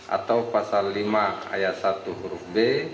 atau pasal lima ayat satu huruf b